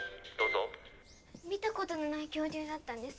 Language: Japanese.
見たことのない恐竜だったんです。